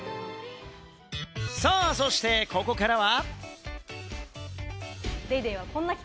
さぁ、そしてここからは。